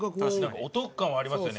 お得感はありますよね。